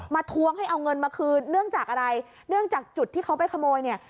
ทวงให้เอาเงินมาคืนเนื่องจากอะไรเนื่องจากจุดที่เขาไปขโมยเนี่ย